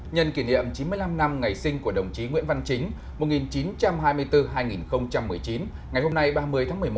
nhân kỷ niệm chín mươi năm năm ngày sinh của đồng chí nguyễn văn chính một nghìn chín trăm hai mươi bốn hai nghìn một mươi chín ngày hôm nay ba mươi tháng một mươi một